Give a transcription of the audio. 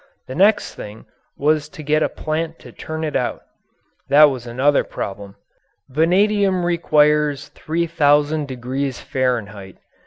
The next thing was to get a plant to turn it out. That was another problem. Vanadium requires 3,000 degrees Fahrenheit.